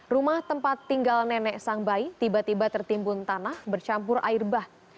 rumah tempat tinggal nenek sang bayi tiba tiba tertimbun tanah bercampur air bah